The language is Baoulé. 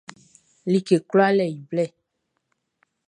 Like kwlaa le i blɛ.